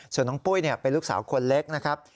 ส่วนน้องปุ้ยเป็นลูกสาวคนเล็กนะครับ